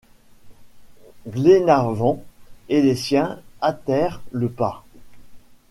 Glenarvan et les siens hâtèrent le pas.